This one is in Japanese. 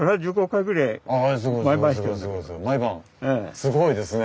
すごいですね。